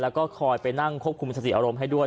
แล้วก็คอยไปนั่งควบคุมสติอารมณ์ให้ด้วย